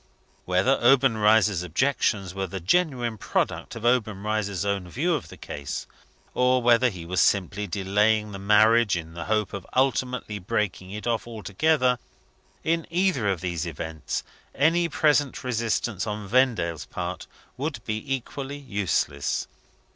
Whether Obenreizer's objections were the genuine product of Obenreizer's own view of the case, or whether he was simply delaying the marriage in the hope of ultimately breaking it off altogether in either of these events, any present resistance on Vendale's part would be equally useless.